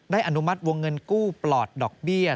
อนุมัติวงเงินกู้ปลอดดอกเบี้ย